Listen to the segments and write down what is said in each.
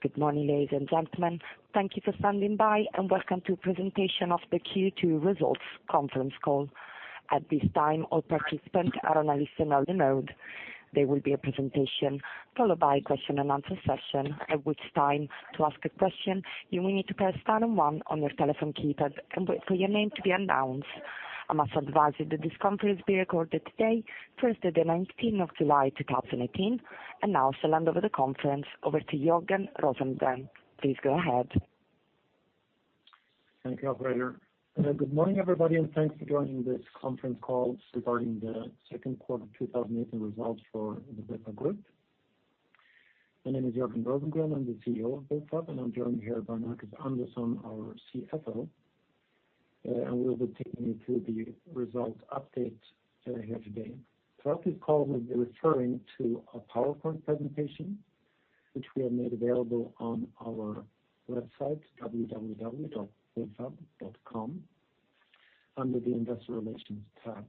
Good morning, ladies and gentlemen. Thank you for standing by, and welcome to presentation of the Q2 results conference call. At this time, all participants are on a listen-only mode. There will be a presentation followed by a question-and-answer session, at which time to ask a question you may need to press 101 on your telephone keypad and wait for your name to be announced. I must advise you that this conference is being recorded today, Thursday the 19th of July 2018. And now I shall hand over the conference to Jörgen Rosengren. Please go ahead. Thank you, operator. Good morning, everybody, and thanks for joining this conference call regarding the second quarter 2018 results for the Bufab Group. My name is Jörgen Rosengren. I'm the CEO of Bufab, and I'm joined here by Marcus Andersson, our CFO. We will be taking you through the result update here today. Throughout this call, we'll be referring to a PowerPoint presentation, which we have made available on our website, www.bufab.com, under the Investor Relations tab.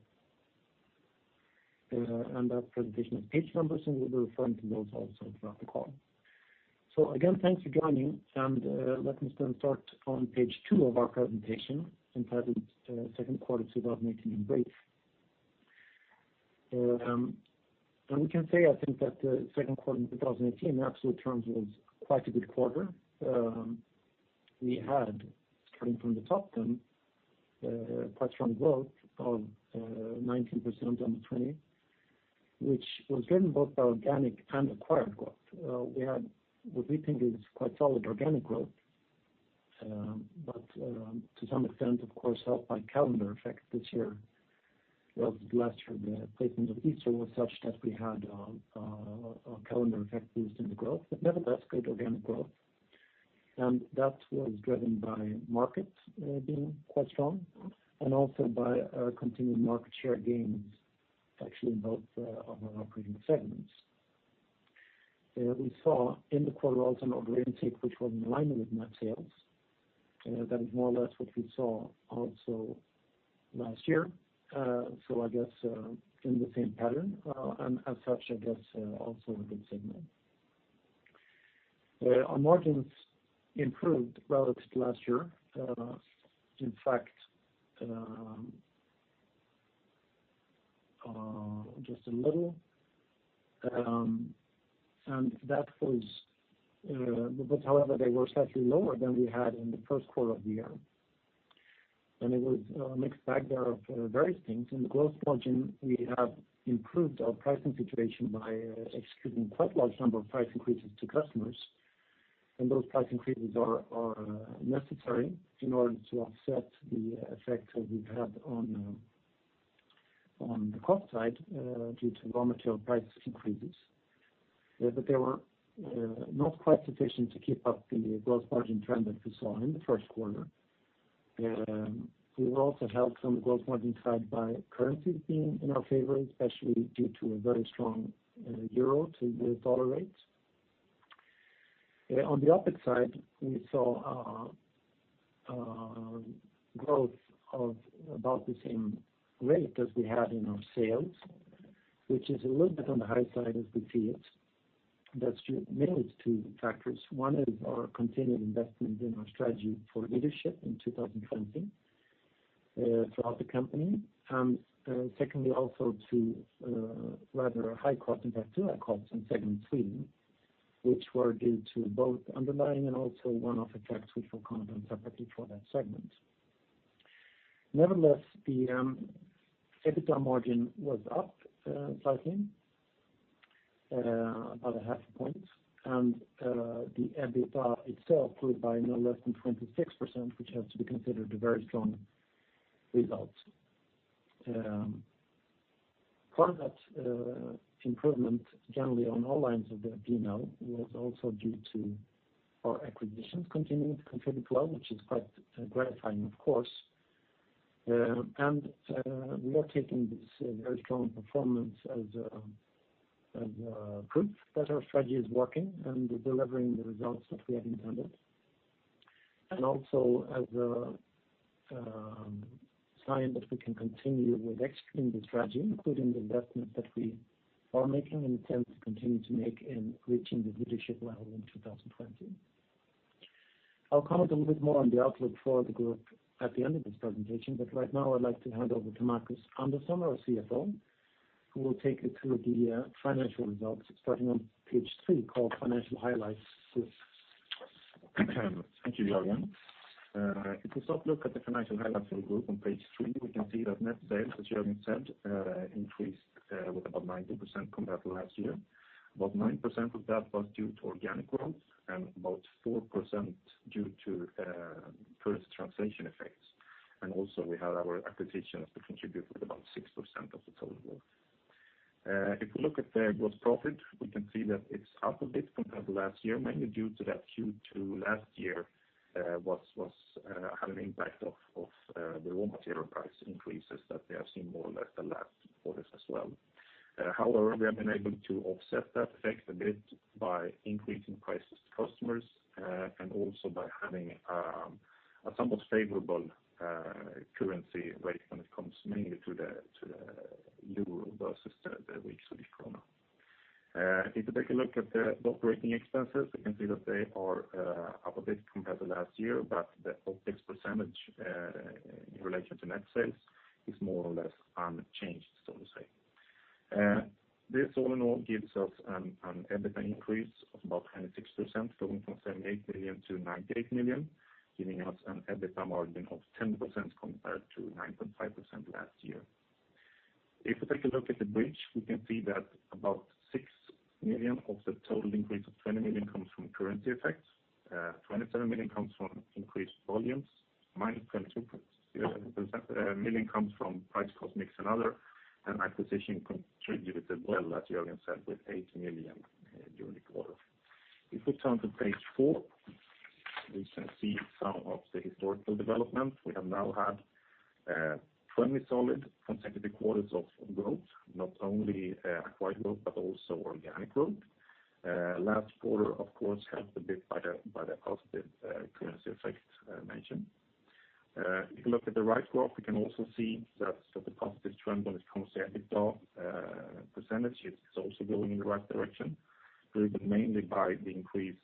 That presentation has page numbers, and we'll be referring to those also throughout the call. So again, thanks for joining. Let me then start on page two of our presentation entitled "Second Quarter 2018 in Brief." We can say, I think, that the second quarter in 2018, in absolute terms, was quite a good quarter. We had, starting from the top then, quite strong growth of 19% on the total, which was driven both by organic and acquired growth. We had what we think is quite solid organic growth, but to some extent, of course, helped by calendar effect this year relative to last year. The placement of Easter was such that we had a calendar effect boost in the growth, but nevertheless, good organic growth. And that was driven by market being quite strong and also by continued market share gains, actually, in both of our operating segments. We saw in the quarter also an order intake, which was in line with net sales. That is more or less what we saw also last year. So I guess in the same pattern. And as such, I guess, also a good signal. Our margins improved relative to last year. In fact, just a little. However, they were slightly lower than we had in the first quarter of the year. It was a mixed bag there of various things. In the gross margin, we have improved our pricing situation by executing quite a large number of price increases to customers. Those price increases are necessary in order to offset the effect that we've had on the cost side due to raw material price increases. But they were not quite sufficient to keep up the gross margin trend that we saw in the first quarter. We were also helped on the gross margin side by currencies being in our favor, especially due to a very strong euro to U.S. dollar rate. On the opposite side, we saw growth of about the same rate as we had in our sales, which is a little bit on the high side as we see it. That's mainly due to two factors. One is our continued investment in our strategy for Leadership 2020 throughout the company. And secondly, also to rather high cost, in fact, too high costs in Segment Sweden, which were due to both underlying and also one off effects, which we'll comment on separately for that segment. Nevertheless, the EBITDA margin was up slightly, about 0.5 point. And the EBITDA itself grew by no less than 26%, which has to be considered a very strong result. Part of that improvement, generally on all lines of the P&L, was also due to our acquisitions continuing to contribute well, which is quite gratifying, of course. We are taking this very strong performance as proof that our strategy is working and delivering the results that we had intended, and also as a sign that we can continue with executing the strategy, including the investments that we are making and intend to continue to make in reaching the leadership level in 2020. I'll comment a little bit more on the outlook for the group at the end of this presentation. Right now, I'd like to hand over to Marcus Andersson, our CFO, who will take you through the financial results starting on page three called "Financial Highlights Group." Thank you, Jörgen. If we start looking at the financial highlights for the group on page three, we can see that net sales, as Jörgen said, increased with about 90% compared to last year. About 9% of that was due to organic growth and about 4% due to currency transaction effects. Also, we had our acquisitions to contribute with about 6% of the total growth. If we look at the gross profit, we can see that it's up a bit compared to last year, mainly due to that Q2 last year had an impact of the raw material price increases that we have seen more or less the last quarters as well. However, we have been able to offset that effect a bit by increasing prices to customers and also by having a somewhat favorable currency rate when it comes mainly to the euro versus the weak Swedish krona. If we take a look at the operating expenses, we can see that they are up a bit compared to last year, but the uptake percentage in relation to net sales is more or less unchanged, so to say. This all in all gives us an EBITDA increase of about 26%, going from 78 million to 98 million, giving us an EBITDA margin of 10% compared to 9.5% last year. If we take a look at the bridge, we can see that about 6 million of the total increase of 20 million comes from currency effects. 27 million comes from increased volumes. -22 million comes from price cost mix and other. And acquisition contributed well, as Jörgen said, with 8 million during the quarter. If we turn to page four, we can see some of the historical development. We have now had 20 solid consecutive quarters of growth, not only acquired growth but also organic growth. Last quarter, of course, helped a bit by the positive currency effect mentioned. If you look at the right graph, we can also see that the positive trend when it comes to EBITDA % is also going in the right direction, driven mainly by the increased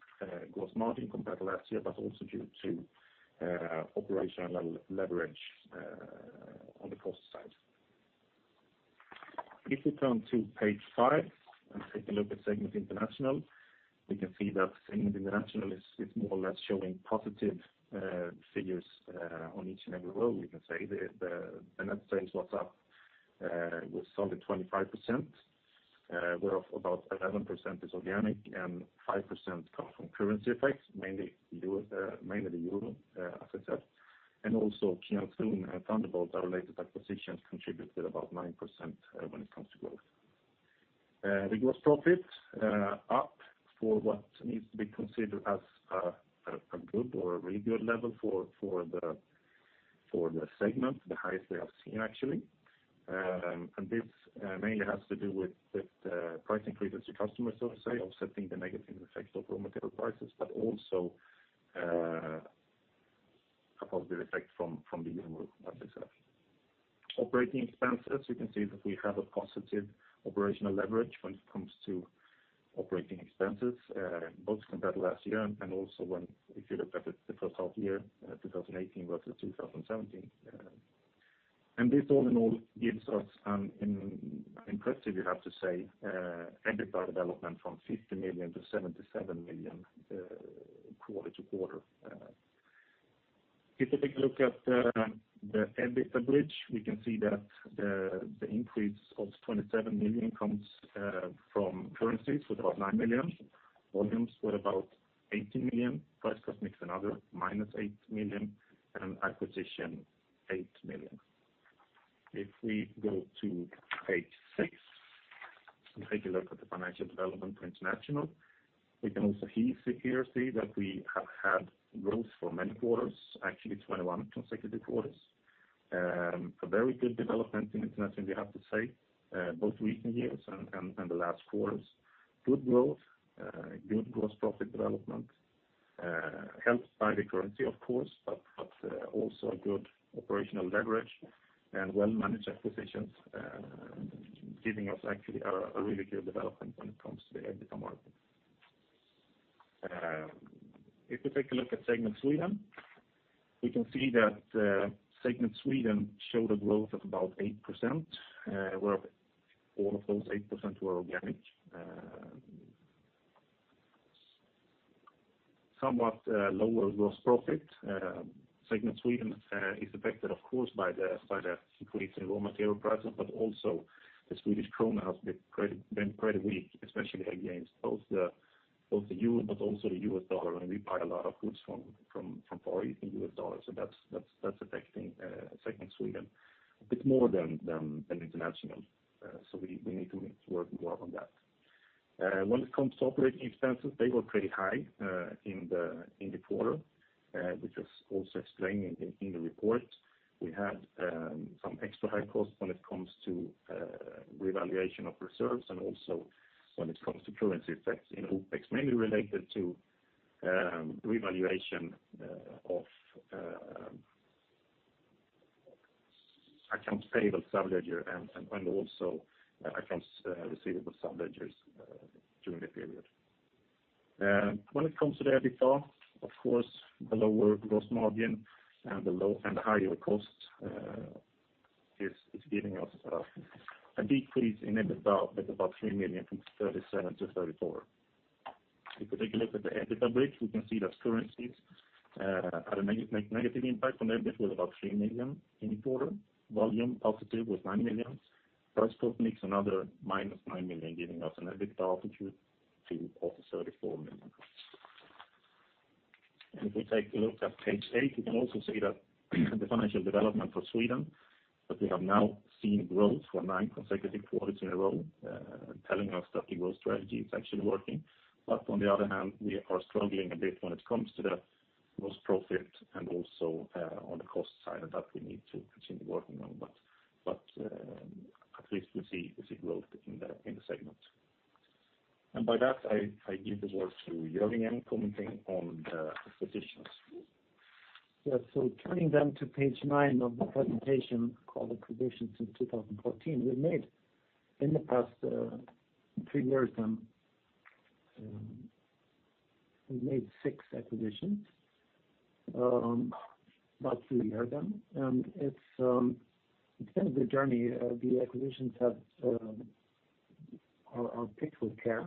gross margin compared to last year but also due to operational leverage on the cost side. If we turn to page five and take a look at Segment International, we can see that Segment International is more or less showing positive figures on each and every row, we can say. The net sales was up with solid 25%, whereof about 11% is organic and 5% come from currency effects, mainly the euro, as I said. Also, Kian Soon and Thunderbolts, our latest acquisitions, contributed about 9% when it comes to growth. The gross profit is up for what needs to be considered as a good or a really good level for the segment, the highest we have seen, actually. This mainly has to do with price increases to customers, so to say, offsetting the negative effect of raw material prices but also a positive effect from the euro, as I said. Operating expenses, you can see that we have a positive operational leverage when it comes to operating expenses, both compared to last year and also if you look at the first half year, 2018 versus 2017. This all in all gives us an impressive, you have to say, EBITDA development from 50 million to 77 million quarter to quarter. If we take a look at the EBITDA bridge, we can see that the increase of 27 million comes from currencies with about 9 million, volumes with about 18 million, price cost mix and other, minus 8 million, and acquisition, 8 million. If we go to page six and take a look at the financial development for international, we can also here see that we have had growth for many quarters, actually 21 consecutive quarters. A very good development in international, we have to say, both recent years and the last quarters. Good growth, good gross profit development, helped by the currency, of course, but also a good operational leverage and well-managed acquisitions, giving us actually a really good development when it comes to the EBITDA margin. If we take a look at Segment Sweden, we can see that Segment Sweden showed a growth of about 8%, whereof all of those 8% were organic. Somewhat lower gross profit. Segment Sweden is affected, of course, by the increase in raw material prices, but also the Swedish krona has been pretty weak, especially against both the euro but also the U.S. dollar. And we buy a lot of goods from Far East in U.S. dollars. So that's affecting Segment Sweden a bit more than International. So we need to work more on that. When it comes to operating expenses, they were pretty high in the quarter, which was also explained in the report. We had some extra high costs when it comes to revaluation of reserves and also when it comes to currency effects in OPEX, mainly related to revaluation of accounts payable subledger and also accounts receivable subledgers during the period. When it comes to the EBITDA, of course, the lower gross margin and the higher cost is giving us a decrease in EBITDA with about 3 million from 37 to 34. If we take a look at the EBITDA bridge, we can see that currencies had a negative impact on EBIT with about 3 million in the quarter, volume positive with 9 million, price cost mix and other minus 9 million, giving us an EBITDA adjusted to also 34 million. If we take a look at page eight, we can also see that the financial development for Sweden. We have now seen growth for nine consecutive quarters in a row, telling us that the growth strategy is actually working. On the other hand, we are struggling a bit when it comes to the gross profit and also on the cost side that we need to continue working on. At least we see growth in the segment. By that, I give the word to Jörgen, commenting on the acquisitions. Yeah. So turning then to page nine of the presentation called "Acquisitions since 2014," we've made in the past three years, then, we've made six acquisitions, about three years, then. And it's been a good journey. The acquisitions are picked with care.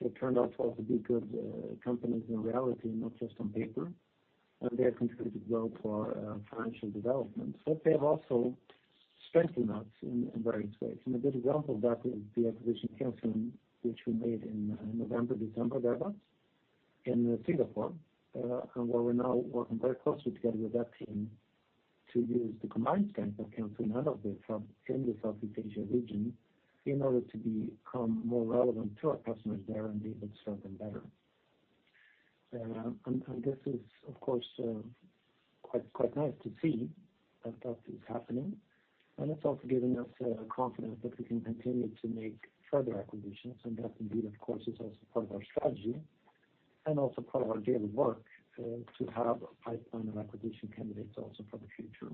They've turned out to also be good companies in reality, not just on paper. And they have contributed well to our financial development. But they have also strengthened us in various ways. And a good example of that is the acquisition of Kian Soon, which we made in November, December, thereabouts, in Singapore, and where we're now working very closely together with that team to use the combined strength of Kian Soon and of the firm in the Southeast Asia region in order to become more relevant to our customers there and be able to serve them better. This is, of course, quite nice to see that that is happening. And it's also given us confidence that we can continue to make further acquisitions. And that indeed, of course, is also part of our strategy and also part of our daily work to have a pipeline of acquisition candidates also for the future.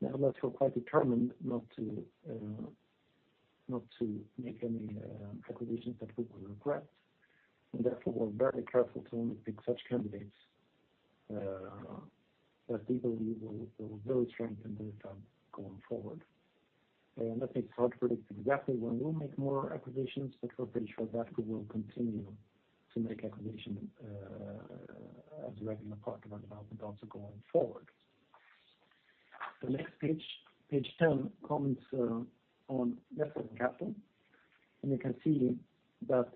Now, we're quite determined not to make any acquisitions that we will regret. And therefore, we're very careful to only pick such candidates that we believe will really strengthen the firm going forward. And that makes it hard to predict exactly when we'll make more acquisitions, but we're pretty sure that we will continue to make acquisitions as a regular part of our development also going forward. The next page, page 10, comments on net working capital. You can see that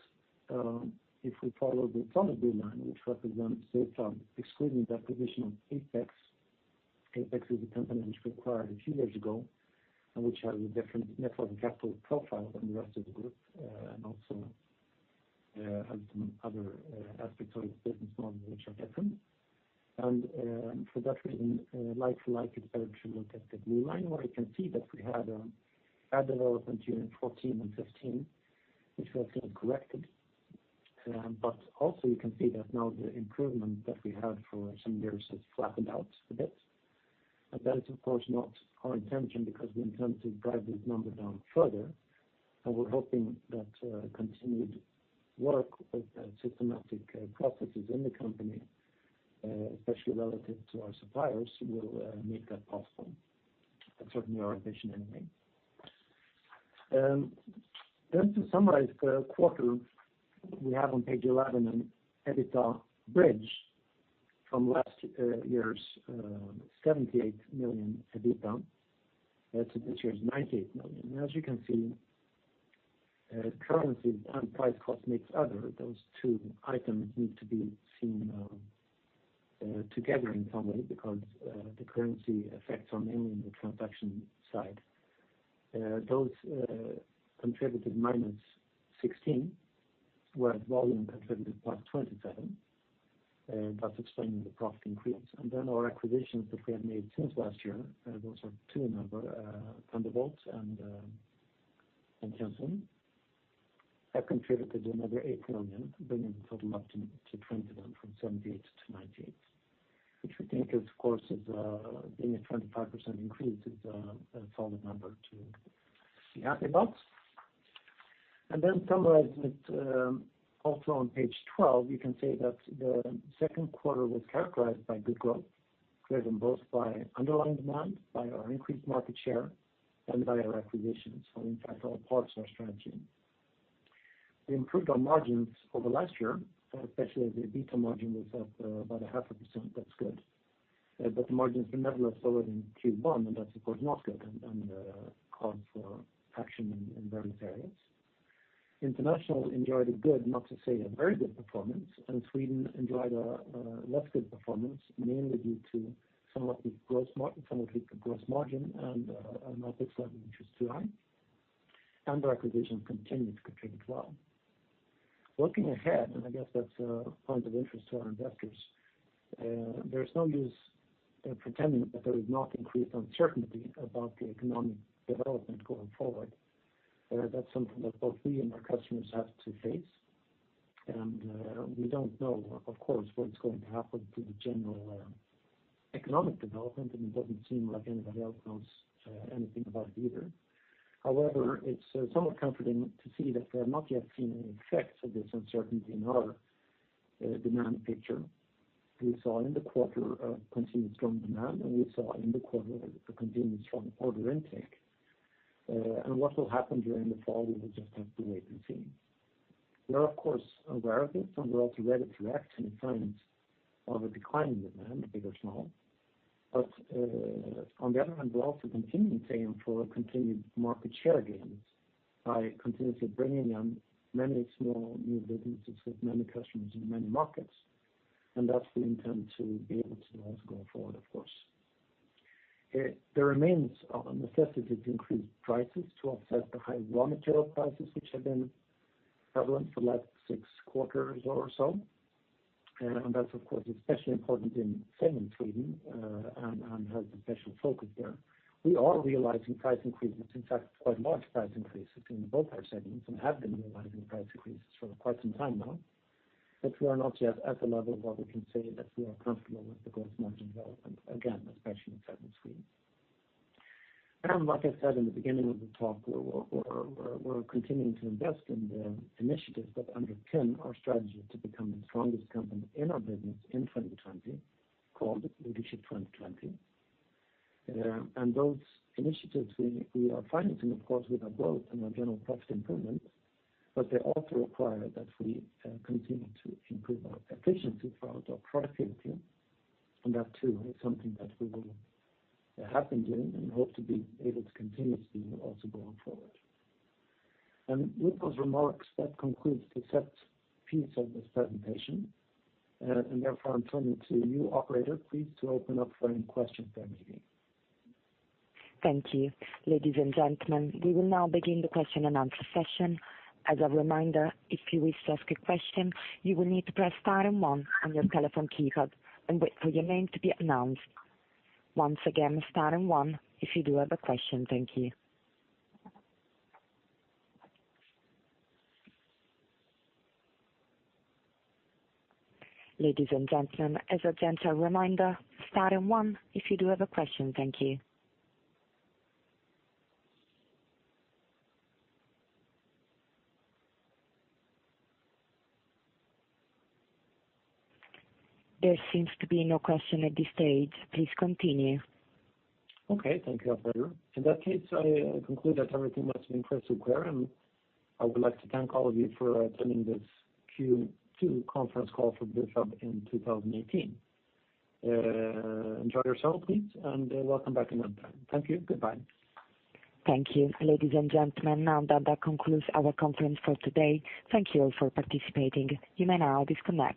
if we follow the solid blue line, which represents the firm excluding the acquisition of Apex - Apex is a company which we acquired a few years ago and which has a different net working capital profile than the rest of the group and also has some other aspects of its business model which are different - and for that reason, like for like, it's better to look at the blue line where you can see that we had a bad development during 2014 and 2015, which we have seen corrected. But also, you can see that now the improvement that we had for some years has flattened out a bit. That is, of course, not our intention because we intend to drive this number down further. We're hoping that continued work with systematic processes in the company, especially relative to our suppliers, will make that possible. That's certainly our ambition anyway. To summarize the quarter, we have on page 11 an EBITDA bridge from last year's 78 million EBITDA. So this year's 98 million. And as you can see, currencies and price cost mix other, those two items need to be seen together in some way because the currency effects are mainly on the transaction side. Those contributed -16 million, whereas volume contributed +27 million. That's explaining the profit increase. And then our acquisitions that we have made since last year, those are two in number, Thunderbolts and Kian Soon, have contributed another 8 million, bringing the total up to 20 million then from 78 million to 98 million, which we think, of course, being a 25% increase is a solid number to be happy about. And then summarizing it also on page 12, you can say that the second quarter was characterized by good growth, driven both by underlying demand, by our increased market share, and by our acquisitions. So in fact, all parts of our strategy. We improved our margins over last year, especially as the EBITDA margin was up about 0.5%. That's good. But the margins were nevertheless lower than Q1, and that's, of course, not good and caused for action in various areas. International enjoyed a good, not to say a very good performance. And Sweden enjoyed a less good performance, mainly due to somewhat weak gross margin and an OPEX level which is too high. And the acquisitions continued to contribute well. Looking ahead, and I guess that's a point of interest to our investors, there is no use pretending that there is not increased uncertainty about the economic development going forward. That's something that both we and our customers have to face. We don't know, of course, what it's going to happen to the general economic development. It doesn't seem like anybody else knows anything about it either. However, it's somewhat comforting to see that we have not yet seen any effects of this uncertainty in our demand picture. We saw in the quarter a continued strong demand, and we saw in the quarter a continued strong order intake. What will happen during the fall, we will just have to wait and see. We are, of course, aware of this, and we're also ready to react to signs of a declining demand, big or small. But on the other hand, we're also continuing to aim for continued market share gains by continuously bringing in many small new businesses with many customers in many markets. And that's the intent to be able to also go forward, of course. There remains a necessity to increase prices to offset the high raw material prices which have been prevalent for the last six quarters or so. And that's, of course, especially important in Segment Sweden and has a special focus there. We are realizing price increases, in fact, quite large price increases in both our segments and have been realizing price increases for quite some time now. But we are not yet at the level where we can say that we are comfortable with the gross margin development again, especially in Segment Sweden. Like I said in the beginning of the talk, we're continuing to invest in the initiatives that underpin our strategy to become the strongest company in our business in 2020 called Leadership 2020. Those initiatives, we are financing, of course, with our growth and our general profit improvement. But they also require that we continue to improve our efficiency throughout our productivity. That too is something that we will have been doing and hope to be able to continue to do also going forward. With those remarks, that concludes the sixth piece of this presentation. Therefore, I'm turning to you, operator, please, to open up for any questions there may be. Thank you. Ladies and gentlemen, we will now begin the question and answer session. As a reminder, if you wish to ask a question, you will need to press star and one on your telephone keypad and wait for your name to be announced. Once again, star and one if you do have a question. Thank you. Ladies and gentlemen, as a gentle reminder, star and one if you do have a question. Thank you. There seems to be no question at this stage. Please continue. Okay. Thank you, operator. In that case, I conclude that everything must have been crystal clear. I would like to thank all of you for attending this Q2 conference call for Bufab in 2018. Enjoy yourself, please, and welcome back another time. Thank you. Goodbye. Thank you. Ladies and gentlemen, now that that concludes our conference call today, thank you all for participating. You may now disconnect.